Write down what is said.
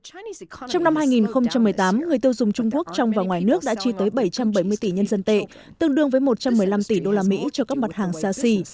trong năm hai nghìn một mươi tám người tiêu dùng trung quốc trong và ngoài nước đã chi tới bảy trăm bảy mươi tỷ nhân dân tệ tương đương với một trăm một mươi năm tỷ usd cho các mặt hàng xa xỉ